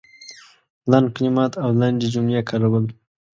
لنډ کلمات او لنډې جملې کارول